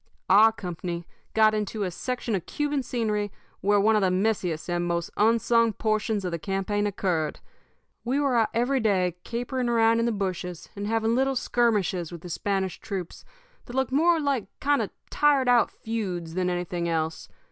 "Our company got into a section of Cuban scenery where one of the messiest and most unsung portions of the campaign occurred. We were out every day capering around in the bushes, and having little skirmishes with the Spanish troops that looked more like kind of tired out feuds than anything else.